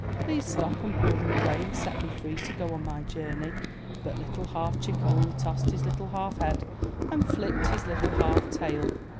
Please stop and pull them away, and set me free to go on my journey/' But Little Half Chick only tossed his little half head and flipped his little half tail!